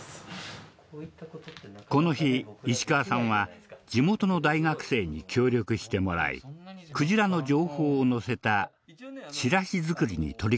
この日石川さんは地元の大学生に協力してもらいクジラの情報を載せたチラシ作りに取りかかっていた。